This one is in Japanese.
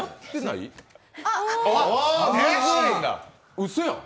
うそやん。